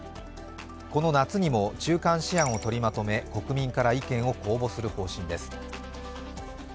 この夏にも中間試案を取りまとめ国民から意見を公募する方針です。